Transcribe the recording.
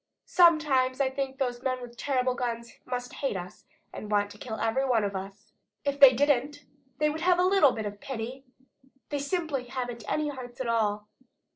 Sometimes I think that those men with terrible guns must hate us and want to kill every one of us. If they didn't, they would have a little bit of pity. They simply haven't any hearts at all."